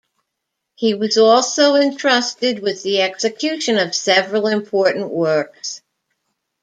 He was also entrusted with the execution of several important works.